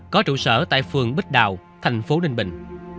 có trụ sở tại phường bích đào thành phố đình bình